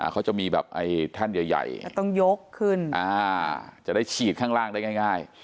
เขาจะมีแบบไอท่านใหญ่จะได้ฉีดข้างล่างง่าย